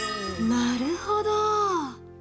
なるほど。